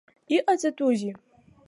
Иҟаҵатәузеи?